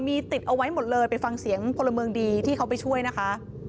มีติดเอาไว้หมดเลยไปฟังเสียงพลเมืองดีที่เขาไปช่วยนะคะ